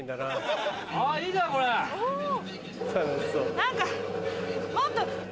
何かもっと。